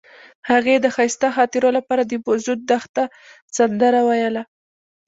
هغې د ښایسته خاطرو لپاره د موزون دښته سندره ویله.